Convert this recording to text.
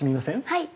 はい。